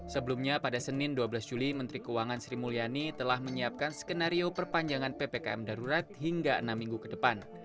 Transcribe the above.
sebelumnya pada senin dua belas juli menteri keuangan sri mulyani telah menyiapkan skenario perpanjangan ppkm darurat hingga enam minggu ke depan